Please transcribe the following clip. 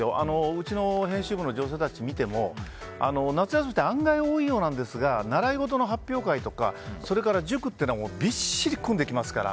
うちの編集部の女性たちを見ても夏休みって多いようなんですが習い事の発表会とかそれから塾というのもびっしり組んできますから。